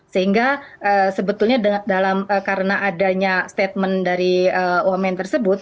sehingga sebetulnya karena adanya statement dari wamen tersebut